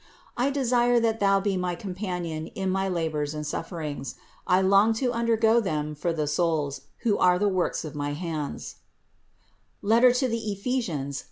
I desire that Thou be my companion in my labors and sufferings; I long to undergo them for the souls, who are the works of my hands (Ephes.